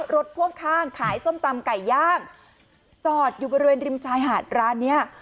พ่วงข้างขายส้มตำไก่ย่างจอดอยู่บริเวณริมชายหาดร้านเนี้ย